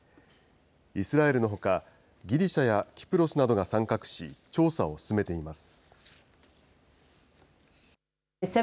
イスラエルのほか、ギリシャやキプロスなどが参画し、調査を進めています。